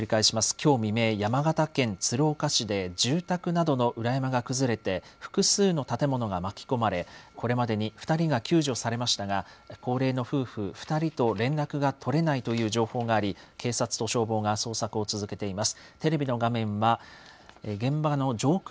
きょう未明、山形県鶴岡市で住宅などの裏山が崩れて、複数の建物が巻き込まれ、これまでに２人が救助されましたが、高齢の夫婦２人と連絡が取れないという情報があり、警察と消防が捜索を続けています。